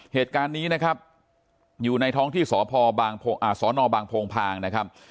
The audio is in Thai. เหตุการณ์นี้นะครับอยู่ในท้องที่สพบางโพงพางนะครับ